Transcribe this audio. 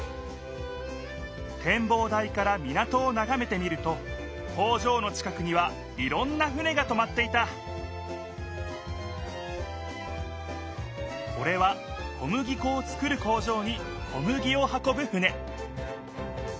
てんぼう台から港をながめてみると工場の近くにはいろんな船がとまっていたこれは小麦こを作る工場に小麦を運ぶ船